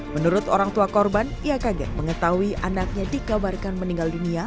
menurut orang tua korban ia kaget mengetahui anaknya dikabarkan meninggal dunia